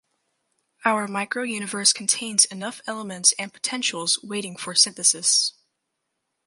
Our micro universe contains enough elements and potentials waiting for synthesis.